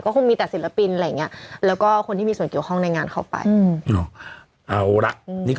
คงมีแต่ศิลปินอะไรอย่างนี้แล้วก็คนที่มีส่วนเกี่ยวข้องในงานเข้าไป